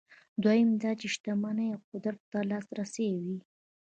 دویم دا چې شتمنۍ او قدرت ته لاسرسی وي.